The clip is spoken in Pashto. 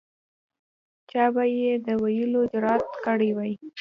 چا به یې د ویلو جرأت کړی وای.